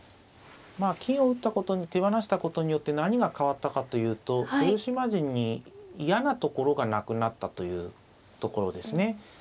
まあ金を手放したことによって何が変わったかというと豊島陣に嫌なところがなくなったというところですね。